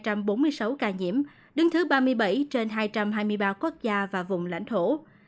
trong khi với tỉ lệ số ca nhiễm trên một triệu dân việt nam đứng thứ một trăm năm mươi trên hai trăm hai mươi ba quốc gia và vùng lãnh thổ